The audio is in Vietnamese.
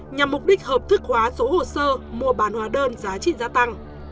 nhằm mục đích hợp thức hóa số hồ sơ mua bán hóa đơn giá trị gia tăng